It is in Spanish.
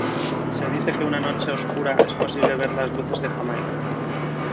Se dice que en una noche oscura es posible ver las luces de Jamaica.